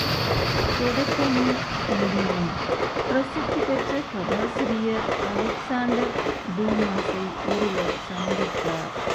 தொடக்கமும் முடிவும் பிரசித்தி பெற்ற கதாசிரியர் அலெக்ஸாண்டர் டூமாஸை, ஒருவர் சந்தித்தார்.